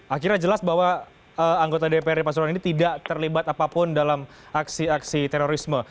akhirnya jelas bahwa anggota dprd pasuruan ini tidak terlibat apapun dalam aksi aksi terorisme